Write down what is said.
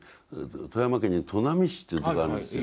富山県に砺波市というとこあるんですよ。